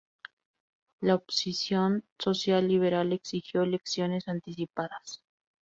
La oposición social-liberal exigió elecciones anticipadas.